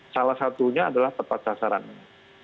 salah satunya adalah tepat sasarannya